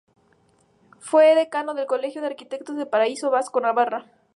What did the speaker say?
Fue decano del colegio de arquitectos del País Vasco-Navarra.